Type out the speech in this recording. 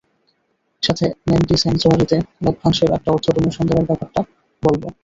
সাথে ম্যান্টি স্যাংচুয়ারিতে লভ্যাংশের একটা অর্থ ডোনেশন দেওয়ার ব্যাপারটাও বলব।